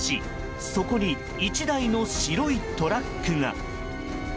そこに１台の白いトラックが。